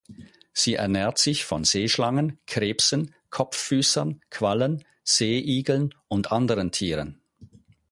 Sie ernährt sich von Seeschlangen, Krebsen, Kopffüßern, Quallen, Seeigeln und anderen Tieren.